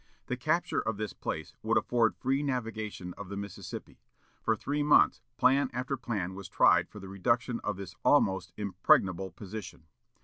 The capture of this place would afford free navigation of the Mississippi. For three months plan after plan was tried for the reduction of this almost impregnable position.